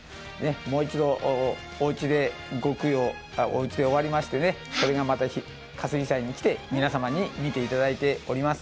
もう一度、おうちで終わりまして、それがまた可睡斎に来て皆様に見ていただいております。